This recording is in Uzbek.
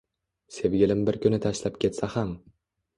Sevgilim bir kuni tashlab ketsa xam